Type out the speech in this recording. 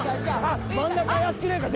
真ん中怪しくねえか？